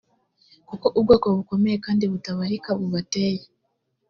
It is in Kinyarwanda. kuko ubwoko bukomeye kandi butabarika bubateye